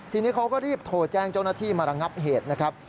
ทีนี้เขาก็รีบโทรแจ้งเจ้าหน้าที่มาระงับเหตุนะครับ